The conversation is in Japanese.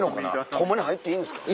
ホンマに入っていいんですか？